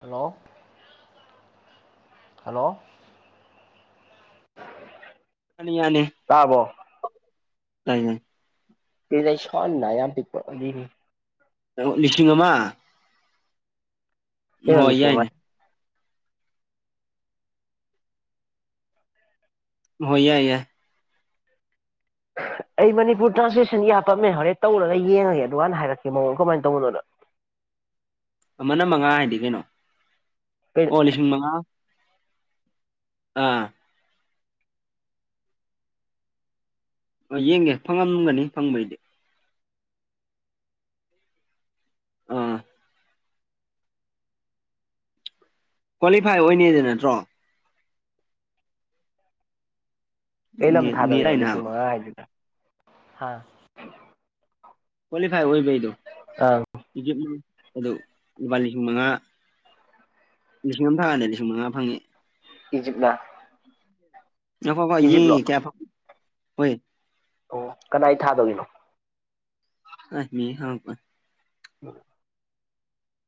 hello hello ꯌꯥꯅꯤ ꯌꯥꯅꯤ ꯇꯥꯔꯕꯣ ꯇꯌꯦ [unintelligible] ꯂꯤꯁꯤꯡ ꯑꯃ ꯀꯩꯅꯣ ꯍꯣꯏ ꯂꯤꯁꯤꯡ ꯑꯃ ꯌꯥꯏꯅꯦ ꯍꯣꯢ ꯌꯥꯥꯢ ꯌꯥꯢ ꯑꯩ ꯃꯅꯤꯄꯨꯔ ꯇ꯭ꯔꯥꯟꯁꯂꯦꯁꯟ ꯍꯥꯄꯝꯃꯦ ꯍꯣꯔꯦꯟ ꯇꯧꯔꯒ ꯌꯦꯡꯉꯒꯦ ꯑꯗꯨꯀꯥꯟꯅ ꯍꯥꯏꯔꯛꯀꯦ ꯃꯑꯣꯡ ꯀꯃꯥꯏꯅ ꯇꯧꯕꯅꯣꯗꯣ [inaudible] ꯑꯃꯅ ꯃꯉꯥ ꯍꯥꯏꯗꯤ ꯀꯩꯅꯣ ꯀꯩ ꯑꯣ ꯂꯤꯁꯤꯡ ꯃꯉꯥ ꯑꯥ ꯌꯦꯡꯒꯦ ꯐꯪꯉꯝꯒꯅꯤ ꯐꯪꯕꯩꯗꯤ ꯑꯥ ꯀ꯭ꯋꯥꯂꯤꯐꯥꯏ ꯑꯣꯏꯅꯤꯗꯣ ꯅꯠꯇ꯭ꯔꯣ ꯀꯩꯂꯝ ꯅꯦꯠ ꯅꯦꯠ ꯊꯥꯗꯣꯢꯔꯣ ꯍꯥꯏꯅ ꯂꯤꯁꯤꯡ ꯍꯥꯏꯕ ꯃꯉꯥ ꯍꯥꯏꯗꯨꯗ ꯀ꯭ꯋꯥꯂꯤꯐꯥꯏ ꯑꯣꯏꯕꯩꯗꯣ ꯏꯖꯤꯞꯅ ꯑꯗꯨ ꯂꯨꯄꯥ ꯂꯤꯁꯤꯡ ꯃꯉꯥ ꯂꯤꯁꯤꯡ ꯑꯃ ꯊꯥꯅꯕꯅꯦ ꯂꯤꯁꯤꯡ ꯃꯉꯥ ꯐꯪꯉꯦ ꯏꯖꯤꯞ ꯅ ꯉꯥꯢꯈꯣ ꯈꯣ ꯌꯦꯡꯒꯦ ꯀꯌꯥ ꯐꯪꯕ ꯑꯣ ꯀꯅꯥꯏ ꯊꯥꯗꯣꯏꯅꯣ ꯑꯥ ꯃꯤ ꯍꯥꯞꯄꯦ [inaudible]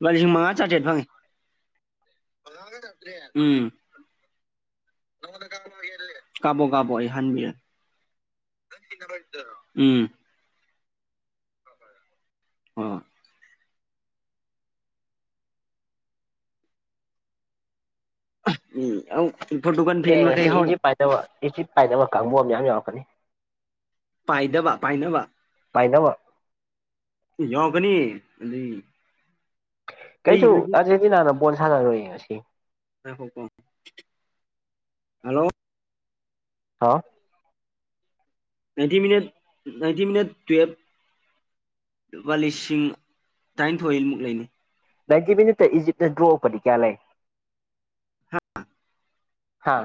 ꯂꯨꯄꯥ ꯁꯤꯡ ꯃꯉꯥ ꯆꯥꯇꯔꯦꯠ ꯐꯉꯦ ꯎꯝ ꯀꯥꯄꯣ ꯀꯥꯄꯣ ꯑꯩ ꯍꯥꯟꯕꯤꯔꯒꯦ ꯎꯝ ꯍꯣ ꯍꯣꯏ ꯎꯝ ꯑꯥꯎ ꯑꯦ ꯉꯁꯤ ꯏꯖꯤꯠ ꯄꯥꯏꯗꯕ ꯏꯖꯤꯠ ꯄꯥꯏꯗꯕ ꯀꯥꯡꯕꯨ ꯑꯃ ꯌꯥꯝ ꯌꯥꯎꯔꯛꯀꯅꯤ ꯄꯥꯏꯗꯕ ꯄꯥꯏꯅꯕ ꯄꯥꯏꯅꯕ ꯕꯅꯤ ꯂꯤ ꯀꯩꯁꯨ ꯑꯔꯖꯦꯟꯇꯤꯅꯥꯅ ꯕꯣꯜ ꯁꯥꯟꯅ ꯔꯣꯏꯌꯦ ꯉꯁꯤ ꯉꯥꯢꯈꯣꯀꯣ ꯍꯜꯂꯣ ꯍꯥꯎ ꯅꯥꯏꯟꯇꯤ ꯃꯤꯠ ꯅꯥꯏꯟꯇꯤ ꯃꯤꯅꯠ ꯇꯨꯌꯦꯕ ꯂꯨꯄꯥ ꯂꯤꯁꯤꯡ ꯇꯔꯥꯅꯤꯊꯣꯏꯃꯨꯛ ꯂꯩꯅꯤ ꯅꯥꯟꯇꯤ ꯃꯤꯅꯤꯠꯇ ꯏꯖꯤꯞꯅ ꯗ꯭ꯔꯣ ꯑꯣꯐ ꯂꯩꯔꯗꯤ ꯀꯌꯥ ꯂꯩ ꯍꯥꯥ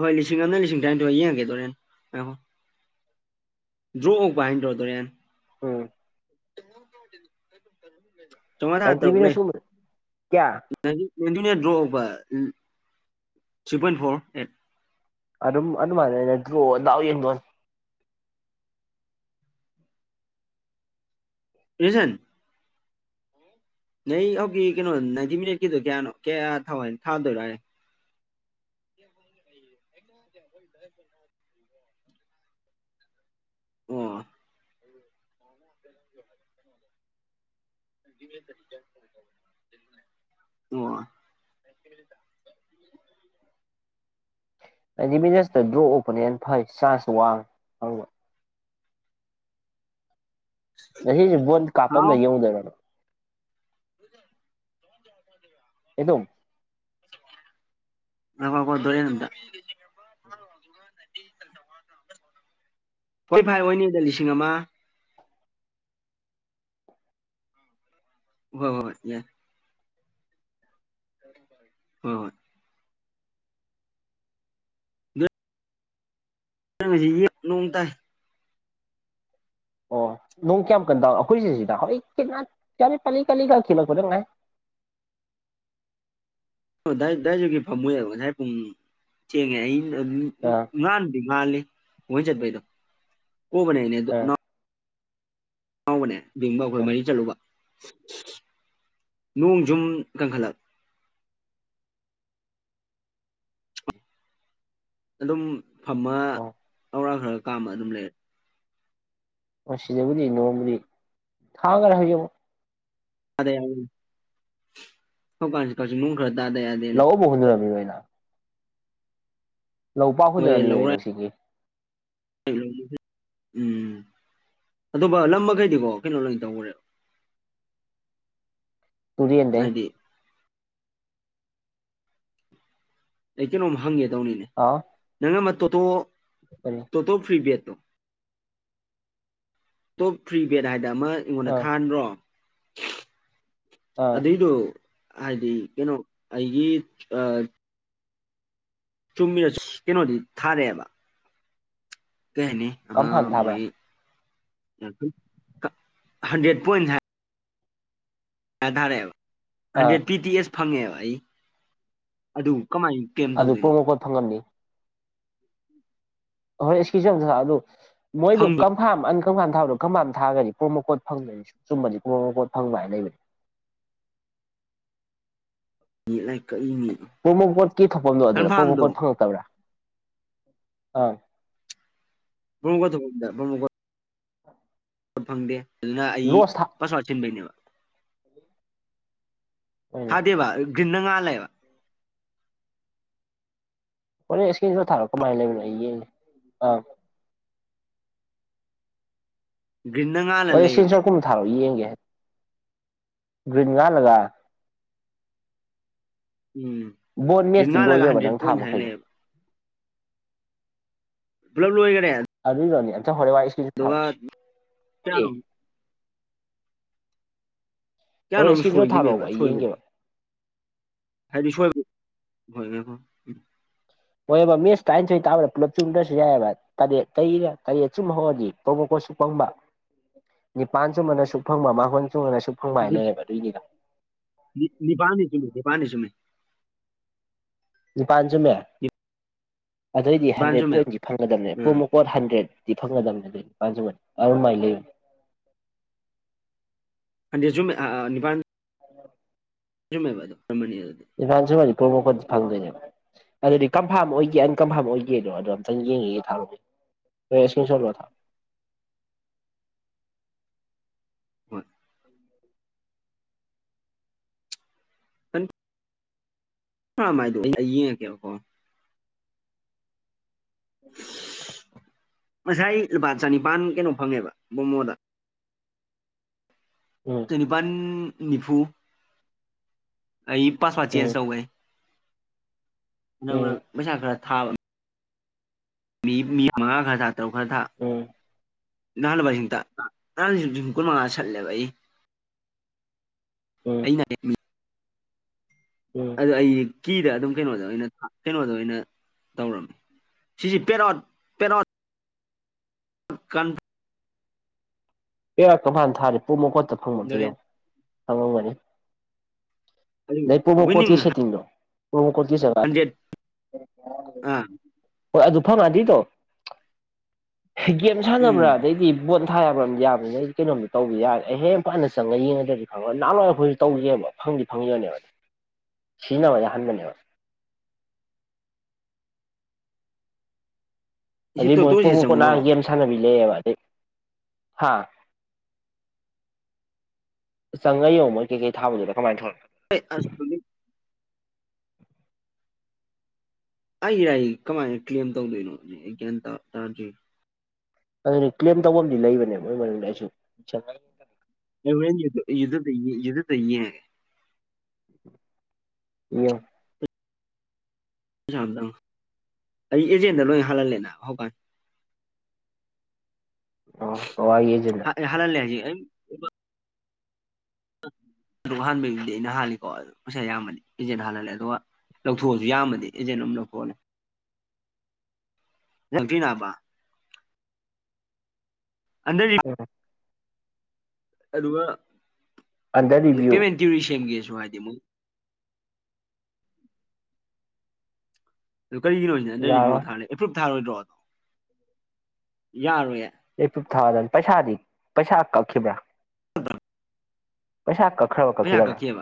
ꯍꯣꯏ ꯂꯤꯁꯤꯡ ꯑꯝꯅ ꯂꯤꯁꯤꯡ ꯇꯔꯥꯏꯟꯊꯣꯏ ꯌꯦꯡꯒꯦ ꯗꯣꯔꯦꯟ ꯑꯣ ꯗ꯭ꯔꯣ ꯑꯣꯛꯄ ꯍꯥꯏꯟꯇ꯭ꯔꯣ ꯗꯣꯔꯦꯟ ꯎꯝ ꯅꯥꯏꯟꯇꯤ ꯃꯤꯅꯠ ꯁꯨꯕꯗ ꯀꯌꯥ [unintelligible] [unintelligible] ꯑꯗꯨꯝ ꯑꯗꯨꯃꯥꯢꯅꯦ [unintelligible] [unintelligible] [unintelligible] ꯑꯣ [inaudible] [unintelligible] ꯉꯁꯤꯗꯤ ꯕꯣꯟ ꯍꯥꯎ ꯀꯥꯄꯝꯗ ꯌꯦꯡꯎꯗꯣꯏꯔ ꯅꯪ [inaudible] [unintelligible] [unintelligible] [unintelligible] ꯑꯣꯏꯅꯤꯗ ꯂꯤꯁꯤꯡ ꯑꯃ ꯍꯣ ꯍꯣꯏ ꯍꯣꯏ ꯌꯦ ꯍꯣꯏ [inaudible] ꯅꯣꯡꯇꯥꯏ ꯑꯣ ꯅꯣꯡ ꯀꯌꯥꯝ ꯀꯟ ꯇꯥꯏ [unintelligible] [inaudible] ꯑꯥ [unintelligible] ꯑꯥ [unintelligible] ꯍꯥꯎꯕꯅꯦ ꯕꯤꯡꯒ ꯑꯈꯣꯏ ꯑꯥ ꯃꯔꯤ ꯆꯠꯂꯨꯕ ꯅꯣꯡ ꯖꯨꯝ ꯀꯟꯈꯠꯂꯛ ꯑꯗꯨꯝ ꯐꯝꯃ ꯑꯣ ꯂꯧꯔ ꯈꯔ ꯀꯥꯝꯃ ꯑꯗꯨꯝ ꯂꯩ [unintelligible] [inaudible] ꯌꯥꯗꯦꯅꯦ [unintelligible] ꯂꯧ ꯄꯥꯛ ꯍꯨꯟꯅꯔꯝꯒꯤꯔꯣꯏ ꯉꯁꯤꯒꯤ [inaudible] ꯑꯗꯨꯒ ꯅꯝꯃꯒꯗꯤꯀꯣ ꯀꯩꯅꯣ ꯂꯣꯏ ꯇꯧꯔꯦ ꯇꯨꯔꯦꯟ ꯗꯩ ꯑꯩ ꯀꯩꯅꯣꯝ ꯍꯪꯒꯦ ꯇꯧꯅꯤꯅꯦ ꯑꯥ ꯅꯪ ꯑꯃ ꯇꯣꯇꯣ ꯀꯔꯤ ꯇꯣꯇꯣ free bet top free bet ꯍꯥꯏꯗ ꯑꯃ ꯑꯩꯉꯣꯟꯗ ꯑꯥ ꯊꯥꯍꯟꯗ꯭ꯔꯣ ꯑꯥ ꯑꯗꯨꯏꯗꯣ ꯍꯥꯏꯗꯤ ꯀꯩꯅꯣ ꯑꯩꯒꯤ ꯑꯥ ꯆꯨꯝꯃꯤꯔ ꯀꯩꯅꯣꯗꯤ ꯊꯥꯔꯦꯕꯥ ꯀꯩ ꯍꯥꯏꯅꯤ ꯑꯃ ꯀꯝꯐꯥꯝ ꯊꯥꯕ꯭ꯔꯥ ꯃꯣꯏ ꯍꯟꯗ꯭ꯔꯦꯠ ꯄꯣꯏꯟꯁ ꯍꯥꯏ ꯌꯥ ꯊꯥꯔꯛꯑꯦꯕ ꯑꯥ ꯍꯟꯗ꯭ꯔꯦꯠ ꯄꯤ ꯇꯤ ꯑꯦꯁ ꯐꯪꯉꯦꯕ ꯑꯩ ꯑꯗꯨ ꯀꯃꯥꯏ ꯀꯂꯦꯝ ꯑꯗꯨ ꯇꯧꯗꯣꯏꯅꯣ ꯄ꯭ꯔꯣꯃꯣꯀꯣꯠ ꯐꯪꯉꯝꯅꯤ [unintelligible] ꯐꯪꯕꯅꯤ ꯀꯝꯐꯥꯝ ꯊꯥꯕꯗꯣ ꯀꯝꯐꯥꯝ ꯊꯥꯒ꯭ꯔꯗꯤ ꯄꯣꯃꯣ ꯀꯣꯠ ꯐꯪꯗꯣꯏꯅꯦ ꯆꯨꯝꯃꯗꯤ ꯄꯣꯃꯣ ꯀꯣꯠ ꯐꯪꯉꯣꯏ ꯍꯥꯏ ꯂꯩꯕꯅꯦ [inaudible] ꯂꯥꯏꯔꯤꯛ ꯀꯛꯏꯅꯤ ꯄ꯭ꯔꯣꯃꯣꯀꯣꯠꯀꯤ ꯊꯣꯛꯐꯝꯗꯣ ꯑꯗꯨꯗ ꯀꯟꯐꯥꯔꯝꯗꯣ ꯄ꯭ꯔꯣꯃꯣꯀꯣꯠ ꯐꯪꯉꯛꯇꯕ꯭ꯔꯥ ꯑꯥ [unintelligible] ꯐꯪꯗꯦ ꯑꯗꯨꯅ ꯑꯩ ꯂꯣꯁ ꯊꯥ ꯄꯥꯁꯋꯥꯠ ꯁꯤꯟꯕꯩꯅꯦꯕ ꯍꯣꯏꯅꯦ ꯊꯥꯗꯦꯕ ꯒ꯭ꯔꯤꯟꯅ ꯉꯥꯜꯂꯦꯕ ꯍꯣꯔꯦꯜ ꯢꯁꯀꯤꯜ ꯁꯣꯠ ꯊꯥꯔꯛꯑꯣ ꯀꯃꯥꯢ ꯂꯩꯕꯅꯣ ꯑꯩ ꯌꯦꯡꯒꯦ ꯑ ꯒ꯭ꯔꯤꯟꯅ ꯉꯥꯜꯂ ꯍꯧꯔꯦꯟ ꯂꯩꯌꯦꯕ ꯏꯁꯀ꯭ꯔꯤꯟꯁꯣꯠ ꯀꯨꯝꯕ ꯊꯥꯔꯛꯑꯣ ꯌꯦꯡꯒꯦ ꯒ꯭ꯔꯤꯟ ꯉꯥꯜꯂꯒ ꯎꯝ ꯕꯣꯟ ꯒ꯭ꯔꯤꯟ ꯃꯦꯁꯇꯤ ꯉꯥꯜꯂꯒ ꯂꯣꯏꯈ꯭ꯔꯕ ꯍꯟꯗ꯭ꯔꯦꯠ ꯅꯪ ꯊꯥ ꯄꯣꯏꯟ ꯍꯥꯏ ꯃꯈꯩꯗꯣ ꯂꯩꯌꯦꯕ ꯄꯨꯂꯞ ꯂꯣꯏꯒ꯭ꯔꯦ ꯀꯌꯥꯅꯣꯝ [unintelligible] ꯍꯣꯔꯦꯟ ꯀꯌꯥꯅꯣꯝ ꯏꯁꯀ꯭ꯔꯤꯟ ꯁꯣꯠ ꯁꯣꯏꯈꯤꯕꯅꯦꯕ ꯊꯥꯔꯛꯑꯣꯕ ꯑꯩ ꯁꯣꯏꯕꯗꯤ ꯌꯦꯡꯒꯦꯕ [unintelligible] ꯍꯣꯏꯌꯦꯕ ꯃꯦꯁ ꯇꯔꯥꯅꯤꯊꯣꯏ ꯇꯥꯛꯄꯗ ꯄꯨꯂꯞ ꯆꯨꯝꯗ꯭ꯔꯁꯨ ꯌꯥꯏꯌꯦꯕ ꯇꯔꯦꯠ ꯇꯩ [unintelligible] ꯑꯁꯨꯛ ꯐꯪꯕ ꯅꯤꯄꯥꯥꯟ ꯆꯨꯝꯕꯅ ꯁꯨꯛ ꯐꯪꯕ ꯃꯥꯜ ꯁꯨꯝꯕꯅ ꯑꯁꯨꯛ ꯐꯪꯕ ꯍꯥꯏꯅ ꯂꯩꯌꯦꯕ ꯑꯗꯨꯏꯅꯤꯗ ꯅꯤ ꯅꯤꯄꯥꯜꯅꯤ ꯆꯨꯝꯦ ꯅꯤꯄꯥꯜꯅꯤ ꯆꯨꯝꯃꯦ ꯅꯤꯄꯥꯜ ꯆꯨꯝꯃꯦ ꯑꯗꯩꯗꯤ ꯅꯤꯄꯥꯜ ꯍꯟꯗ꯭ꯔꯦꯠ ꯆꯨꯝꯃꯦꯕ ꯄꯣꯏꯟꯗꯤ ꯐꯪꯒꯗꯕꯅꯦ ꯎꯝ ꯄ꯭ꯔꯣꯃꯣ ꯀꯣꯗ ꯍꯟꯗ꯭ꯔꯦꯠ [unintelligible] [unintelligible] ꯅꯤꯄꯥꯟ [inaudible] [unintelligible] [unintelligible] ꯐꯪꯗꯣꯏꯅꯦꯕ ꯑꯗꯨꯗꯤ ꯀꯟꯐꯥꯔꯝ ꯑꯣꯏꯒꯦ ꯑꯟꯀꯟꯐꯥꯔꯝ ꯑꯣꯏꯒꯦꯗꯣ ꯑꯗꯣ ꯑꯝꯇꯪ ꯌꯦꯡꯒꯤꯒꯦ ꯊꯥꯔꯛꯑꯣ [unintelligible] [unintelligible] [inaudible] ꯃ ꯍꯥꯏꯗꯣ ꯑꯩ ꯌꯦꯡꯉꯛꯒꯦꯕꯀꯣ [inaudible] ꯉꯁꯥꯏ ꯂꯨꯄꯥ ꯆꯅꯤꯄꯥꯟ ꯀꯩꯅꯣ ꯐꯪꯉꯦꯕ ꯃꯣꯃꯣꯗ ꯎꯝ ꯆꯅꯤꯄꯥꯟ ꯅꯤꯐꯨ ꯑꯩ ꯄꯥꯁꯋꯥꯠ ꯆꯦꯟꯁ ꯎꯝ ꯇꯧꯈꯔꯦ ꯎꯝ ꯅꯪꯅ ꯄꯩꯁꯥ ꯈꯔ ꯊꯥꯕ [unintelligible] ꯎꯝ ꯉꯔꯥꯡꯁꯨ ꯂꯤꯁꯤꯡ ꯀꯨꯟꯃꯉꯥ ꯁꯠꯂꯦꯕ ꯑꯩ ꯎꯝ ꯑꯩꯅ ꯎꯝ ꯑꯗꯨ ꯑꯩ ꯀꯤꯗ ꯑꯗꯨꯝ ꯀꯩꯅꯣꯗ ꯑꯣꯏꯅ ꯀꯩꯅꯣꯗ ꯑꯣꯏꯅ ꯇꯧꯔꯝꯃꯦ ꯁꯤꯁꯤ ꯄꯦꯔꯣꯠ ꯄꯦꯔꯣꯠ ꯀꯟ ꯄꯔꯥꯛ ꯀꯝꯐꯥꯟꯅ ꯊꯥꯔꯤ ꯄꯨꯡ ꯃꯈꯣꯠꯇ ꯐꯪꯕꯗ ꯌꯧ ꯐꯪꯉꯝꯒꯅꯤ ꯑꯗꯨ ꯂꯩ ꯄꯣꯃꯣ ꯋꯤꯅꯤꯡ ꯀꯣꯠꯀꯤ ꯁꯦ ꯇꯤꯡꯂꯣ [unintelligible] ꯍꯟꯗ꯭ꯔꯦꯠ ꯑꯥ ꯍꯣꯏ ꯑꯗꯨ ꯐꯪꯉꯗꯤꯗꯣ ꯒꯦꯝ ꯎꯝ ꯁꯥꯟꯅꯕ꯭ꯔꯥ ꯑꯗꯩꯗꯤ ꯕꯣꯜ ꯊꯥꯕ꯭ꯔ ꯌꯥꯕ꯭ꯔꯥ ꯑꯗꯨꯗꯩꯗꯤ ꯀꯩꯅꯣꯝꯗꯤ ꯇꯧꯕ ꯌꯥꯔꯦ ꯑꯩ ꯍꯦ ꯐꯖꯅ ꯆꯉ ꯌꯦꯡꯉꯗ꯭ꯔꯗꯤ ꯐꯪꯉꯣꯏ ꯅꯍꯥꯟꯋꯥꯏ ꯑꯩꯈꯣꯏꯁꯨ ꯇꯧꯁꯦꯕ ꯐꯪꯗꯤ ꯐꯪꯗꯣꯏꯅꯦꯕ ꯁꯤꯅꯕ ꯌꯥꯍꯟꯒꯅꯤꯕ ꯁꯤ ꯑꯗꯩ ꯕꯣꯜ ꯇꯣꯇꯣꯁꯦ ꯆꯪꯉꯨꯔꯣ ꯀꯣꯟꯅꯔꯒ ꯒꯦꯝ ꯁꯥꯟꯅꯕꯤ ꯂꯩꯑꯦꯕ [unintelligible] ꯍꯥ ꯆꯪꯉ ꯌꯦꯡꯉꯣ ꯃꯣꯏ ꯀꯩꯀꯩ ꯊꯥꯕꯗꯨꯗ ꯀꯃꯥꯏꯅ ꯊꯣꯛꯂꯛ ꯑꯩ ꯑꯁ ꯍꯧꯖꯤꯛ ꯑꯩ ꯂꯥꯢꯔꯤꯛ ꯀꯃꯥꯏꯅ ꯀ꯭ꯂꯦꯝ ꯇꯧꯗꯣꯏꯅꯣ ꯑꯩ ꯒ꯭ꯌꯥꯟ ꯇ ꯇꯥꯗꯔꯤ ꯑꯗꯨꯅꯦ ꯀ꯭ꯂꯦꯝ ꯇꯧꯕꯝꯗꯤ ꯂꯩꯕꯅꯦꯕ ꯃꯣꯏ ꯃꯅꯨꯡꯗ ꯑꯩꯁꯨ ꯑꯩ ꯍꯣꯔꯦꯜ [unintelligible] ꯌꯦꯡꯉꯣ ꯪ ꯑꯩ ꯑꯦꯖꯦꯟꯗ ꯂꯣꯏ ꯍꯥꯜꯍꯜꯂꯦꯅ ꯍꯧꯀꯥꯟ ꯑꯣ ꯀꯋꯥꯒꯤꯖꯤꯅ [unintelligible] ꯑꯗꯨ ꯍꯥꯟꯕꯩꯗꯨꯗꯤ ꯑꯩꯅ ꯍꯜꯂꯤꯀꯣ ꯄꯩꯁꯥ ꯑꯌꯥꯝꯕꯅꯤ ꯏꯁꯦꯅ ꯍꯥꯜꯍꯜꯂꯦ ꯑꯗꯨꯒ ꯂꯧꯊꯣꯛꯑꯁꯨ ꯌꯥꯝꯃꯗꯤ ꯑꯦꯖꯦꯟ ꯑꯗꯨꯝ ꯂꯧꯊꯣꯛꯑꯅꯤ ꯂꯝꯕꯤꯅꯕ ꯑꯟꯗꯔ [unintelligible] ꯑꯗꯨꯒ ꯑꯟꯗꯔ ꯔꯤꯚꯤꯌꯨ ꯄꯦꯃꯦꯟ ꯇ꯭ꯌꯨꯔꯤ ꯁꯦꯝꯒꯦꯁꯨ ꯍꯥꯏꯗꯦ ꯃꯨꯛ ꯑꯗꯨ ꯀꯔꯤꯒꯤꯅꯣꯁꯤꯅ ꯑꯟꯗ ꯔꯤꯚ꯭ꯌꯨ ꯌꯥꯔꯣꯏ ꯊꯥꯔꯦꯂꯧ ꯑꯦꯄ꯭ꯨꯞ ꯊꯥꯔꯣꯏꯗ꯭ꯔꯣ ꯑꯗꯣ ꯌꯥꯔꯣꯏ ꯌꯦ ꯌꯨꯇꯨꯞ ꯊꯥꯗꯕꯅꯤ ꯄꯩꯁꯥꯗꯤ ꯄꯩꯁꯥ ꯀꯛ ꯈꯤꯕ꯭ꯔ [unintelligible] ꯄꯩꯁꯥ ꯀꯛꯈ꯭ꯔꯕ ꯄꯩꯁꯥ ꯀꯛꯈꯤꯗꯕ꯭ꯔꯥ ꯀꯛꯈꯤꯑꯕ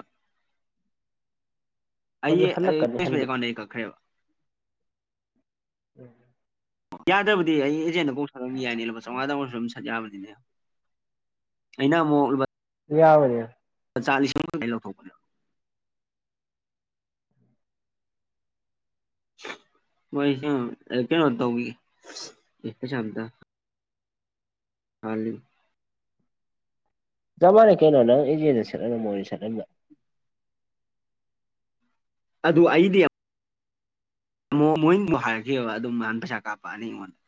ꯑꯗꯨ ꯑꯩꯌꯦ ꯑꯩ ꯍꯜꯂꯛꯀꯅꯤ ꯑꯩꯁꯨ ꯍꯟꯗꯤ ꯑꯦꯀꯥꯎꯟꯗꯩ ꯀꯛꯈ꯭ꯔꯦꯕ [inaudible] ꯌꯥꯗ꯭ꯔꯕꯗꯤ ꯑꯩ ꯑꯦꯖꯦꯟꯗ ꯀꯥꯛ ꯁꯠꯍꯟꯒꯤ ꯌꯥꯢꯅꯦ ꯂꯨꯄꯥ ꯆꯧꯉꯥꯗꯪ ꯑꯣꯏꯔꯁꯨ ꯑꯗꯨꯝ ꯁꯠ ꯌꯥꯕꯅꯤ ꯑꯩꯅ ꯑꯃꯨꯛ ꯌꯥꯕꯅꯤ ꯆꯥ ꯂꯤꯁꯤꯡ ꯑꯃꯗꯩ ꯂꯧꯊꯣꯛꯄꯅꯦ ꯃꯣꯢꯁꯨ ꯀꯩꯅꯣ ꯇꯧꯕꯒꯤ [unintelligible] ꯍꯥꯜꯂꯤ ꯆꯞꯃꯥꯟꯅꯩ ꯀꯩꯅꯣ ꯅꯪ ꯏꯖꯦꯟꯗ ꯁꯠꯂ ꯒ ꯃꯣꯏꯗ ꯁꯠꯂꯝꯕ ꯑꯗꯨ ꯑꯩꯗꯤ ꯃꯣꯏꯃꯨꯛ ꯍꯥꯏꯔꯒꯦꯕ ꯑꯗꯨꯝ ꯃꯥꯅ ꯄꯩꯁꯥ ꯀꯥꯞꯄꯛꯑꯅꯤ ꯑꯩꯉꯣꯟꯗ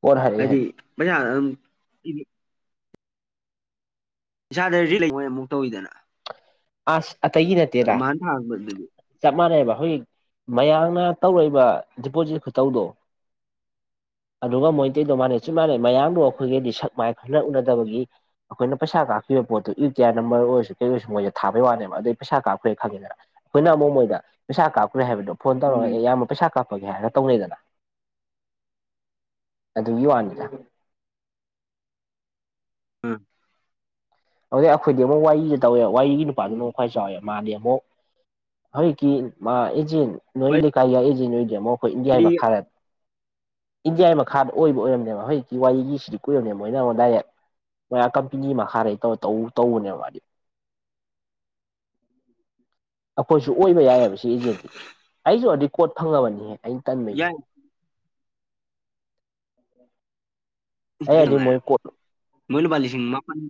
ꯄꯣꯠ ꯍꯥꯏꯔꯛꯑꯦ ꯍꯥꯢꯗꯤ ꯍꯥꯏꯗꯤ ꯄꯩꯁꯥ ꯑꯗꯨꯝ [unintelligible] ꯏꯁꯥꯗꯗꯤ ꯔꯤ ꯃꯣꯏꯅ ꯑꯃꯨꯛ ꯇꯧꯋꯤꯗꯅ ꯑꯁ ꯑꯇꯩꯒꯤ ꯅꯠꯇꯦꯗ ꯃꯥꯅ ꯊꯥꯔꯛꯄꯗꯨꯗꯤ ꯆꯞ ꯃꯥꯟꯅꯩꯕ ꯍꯧꯖꯤꯛ ꯃꯌꯥꯝꯅ ꯇꯧꯔꯛꯏꯕ ꯗꯤꯄꯣꯖꯤꯠ ꯈꯨꯇꯧꯗꯣ ꯑꯗꯨꯒ ꯃꯣꯏꯇꯩꯗꯧ ꯃꯥꯟꯅꯩ ꯆꯞ ꯃꯥꯟꯅꯩ ꯃꯌꯥꯝꯗꯣ ꯑꯩꯈꯣꯏꯒꯗꯤ ꯁꯛ ꯃꯥꯏ ꯈꯔꯥ ꯎꯅꯗꯕꯒꯤ ꯑꯩꯈꯣꯏꯅ ꯄꯩꯁꯥ ꯀꯥꯞ [unintelligible] ꯊꯥꯕꯩ ꯋꯥꯅꯦꯕ ꯑꯗꯩ ꯄꯩꯁꯥ ꯀꯥꯞꯈ꯭ꯔꯦ ꯈꯪꯉꯦꯗꯅ ꯑꯩꯈꯣꯏꯅ ꯑꯃꯨꯛ ꯃꯣꯏꯗ ꯄꯩꯁꯥ ꯀꯥꯞ ꯃꯣꯢ ꯍꯥꯏꯕꯗꯣ ꯐꯣꯟ ꯇꯧꯔꯒ ꯎꯝ ꯑꯩ ꯌꯥꯝꯕ ꯄꯩꯁꯥ ꯀꯞꯄꯒꯦ ꯍꯥꯏꯔ ꯇꯧꯅꯩꯗꯅ ꯑꯗꯨꯒꯤ ꯋꯥꯅꯤꯗ ꯑꯨꯝ ꯑꯗꯣ ꯑꯩꯈꯣꯏꯗꯤ ꯑꯃꯨꯛ ꯋꯥꯔꯤꯁꯨ ꯇꯧꯋꯦ ꯋꯥꯔꯤꯒꯤ ꯅꯨꯄꯥꯗꯨꯅ ꯎꯝ ꯑꯃꯨꯛ ꯈ꯭ꯋꯥꯏ ꯆꯥꯎꯋꯦ ꯃꯥꯗꯤ ꯑꯃꯨꯛ ꯍꯧꯖꯤꯛꯀꯤ ꯃꯥ ꯑꯦꯖꯦꯟ ꯅꯣꯏ ꯍꯣꯏ ꯂꯩꯀꯥꯏꯒꯤ ꯑꯦꯖꯦꯟ ꯑꯣꯏꯗꯦ ꯑꯃꯨꯛ ꯑꯩꯈꯣꯏ ꯏꯟꯗꯤꯌꯥꯒꯤ ꯑꯩꯗꯤ ꯃꯈꯥꯗ ꯏꯟꯗꯤꯌꯥꯒꯤ ꯃꯈꯥꯃꯨꯛ ꯑꯣꯏꯕ ꯑꯣꯏꯔꯝꯂꯦꯕ ꯍꯧꯖꯤꯛꯀꯤ ꯋꯥꯔꯤꯒꯤ ꯁꯤꯗꯤ ꯀꯨꯏꯔꯕꯅꯦ ꯃꯣꯏꯅ ꯑꯃꯨꯛ ꯗꯥꯏꯔꯦꯛ ꯃꯣꯏ ꯑꯥ ꯀꯝꯄꯦꯅꯤ ꯃꯈꯥꯗꯩ ꯇꯧꯔ ꯇꯧ ꯇꯧꯕꯅꯦꯕ ꯃꯥꯗꯤ ꯑꯩꯈꯣꯏꯁꯨ ꯑꯣꯏꯕ ꯌꯥꯏꯑꯦꯕ ꯁꯤ ꯑꯦꯖꯦꯟꯁꯤ ꯑꯩꯁꯨ ꯔꯦꯀꯣꯠ ꯐꯪꯉꯕꯅꯤꯍꯦ ꯑꯩꯩ ꯇꯟꯕꯩꯅꯤ ꯌꯥꯏ ꯑꯩ ꯍꯥꯢꯗꯤ ꯃꯣꯏ ꯀꯣꯠ ꯃꯣꯏ ꯂꯨꯄꯥ ꯂꯤꯁꯤꯡ ꯃꯥꯄꯜ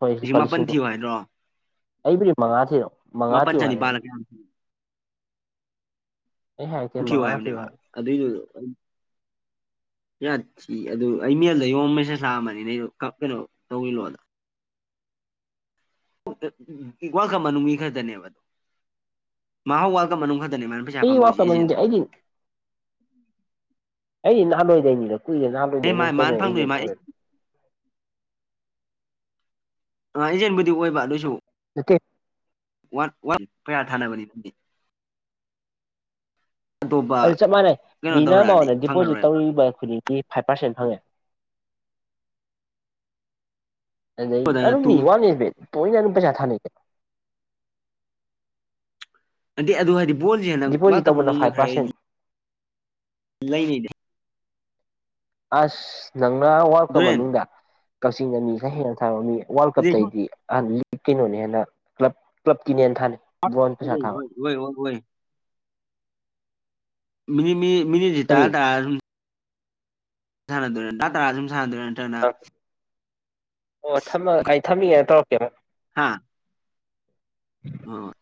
ꯍꯣꯏ ꯂꯤꯁꯤꯡ ꯂꯨꯄꯥ ꯃꯥꯄꯟ ꯊꯤꯌꯨ ꯍꯥꯏꯗ꯭ꯔꯣ ꯑꯩꯕꯨꯗꯤ ꯃꯉꯥ ꯊꯤꯔꯣ ꯃꯉꯥ ꯃꯥꯄꯟ ꯊꯤꯌꯣ ꯆꯅꯤꯄꯥꯜꯂ ꯍꯥꯏꯔꯛꯑꯦ ꯀꯌꯥꯅꯣ ꯑꯩ ꯍꯥꯏꯔꯛꯇꯦ ꯊꯤꯌꯣ ꯃꯉꯥ ꯊꯤꯌꯨ ꯍꯥꯢꯕꯅꯦꯕ ꯍꯥꯏꯔꯛꯑꯦ ꯑꯗꯨꯢꯗꯣ ꯌꯥ ꯊꯤ ꯑꯗꯨ ꯑꯩ [unintelligible] ꯃꯦꯁꯦꯁ ꯂꯥꯛꯑꯃꯕꯅꯤꯅꯦ ꯑꯩꯗꯣ ꯀꯞꯄꯤꯔꯣ ꯇꯧꯕꯤꯔꯣꯅ [unintelligible] ꯃꯅꯨꯡ ꯃꯤ ꯈꯔꯗꯅꯦꯕ [unintelligible] ꯑꯩ ꯋꯥ ꯇꯝꯃꯅꯤꯡꯗꯦ ꯑꯩꯗꯤ ꯑꯩ ꯅꯍꯥꯋꯥꯏꯗꯩꯅꯤꯗ ꯀꯨꯏꯔꯦ ꯑꯦ ꯃꯥ ꯃꯥꯅ ꯐꯪꯗꯣꯏ ꯃꯥ [unintelligible] ꯑ ꯏꯖꯦꯟꯕꯨꯗꯤ ꯑꯣꯏꯕ ꯑꯗꯨꯏꯁꯨ ꯅꯠꯇꯦ ꯋꯥ ꯋꯥꯟ ꯀꯌꯥ ꯊꯅꯕꯅꯤ ꯑꯗꯨ ꯆꯞ ꯃꯥꯟꯅꯩ ꯃꯤꯅ ꯑꯃꯗ ꯗꯤꯄꯣꯖꯤꯠ ꯐꯪꯉꯔꯣꯏꯕ ꯇꯧꯔꯤꯕ ꯈꯨꯗꯤꯡ ꯑꯩ ꯐꯥꯏꯚ ꯄꯥꯔꯁꯦꯟ ꯐꯪꯉꯦ ꯑꯗꯨꯗꯅ ꯇꯨ [unintelligible] ꯃꯣꯢꯅ ꯑꯗꯨꯝ ꯄꯩꯁꯥ ꯊꯥꯅꯩꯗ ꯑꯗꯩ ꯑꯗꯨ ꯍꯥꯏꯗꯤ ꯕꯣꯜꯁꯦ [unintelligible] ꯃꯅꯨꯡꯅ ꯐꯥꯏꯚ ꯄꯥꯔꯁꯦꯟ ꯈꯔ ꯂꯩꯅꯩ ꯑꯁ ꯅꯪꯅ ꯋꯥꯔ ꯀꯞ ꯗꯣꯔꯦꯟ ꯃꯅꯨꯡꯗ ꯀꯛꯆꯤꯡꯗ ꯃꯤ ꯈꯔ ꯍꯦꯟꯅ ꯊꯥꯕ ꯃꯤ ꯋꯥꯔꯜ ꯑꯗꯩ ꯁꯨꯝ ꯀꯞꯇꯩꯗꯤ ꯑꯍ ꯂꯤ ꯀꯩꯅꯣꯅ ꯍꯦꯟꯅ ꯀ꯭ꯂꯕ ꯀ꯭ꯂꯕꯀꯤꯅꯦ ꯊꯥꯅꯩ ꯕꯣꯜ ꯄꯩꯁꯥ ꯑꯗꯩ ꯊꯥꯕ ꯍꯣꯏ ꯍꯣꯏ ꯍꯣꯏ ꯍꯣꯏ ꯃꯤꯅꯤꯠ ꯃꯤ ꯃꯤꯅꯤꯠꯇꯤ ꯇꯥ ꯀꯔꯤ ꯇꯥ ꯑꯗꯨꯝ ꯁꯥꯟꯅꯗꯣꯢꯔ ꯇꯥꯇꯥꯔ ꯑꯗꯨꯝ ꯁꯥꯟꯅꯗꯣꯔ ꯅꯠꯇ꯭ꯔꯒꯅ ꯑꯣ ꯊꯝꯃꯣ ꯑꯩ ꯊꯝꯃꯒ ꯇꯧꯔꯛꯀꯦ ꯍꯥꯥ ꯍꯣꯢ